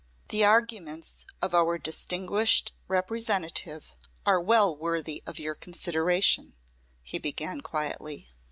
"The arguments of our distinguished Representative are well worthy of your consideration," he began, quietly.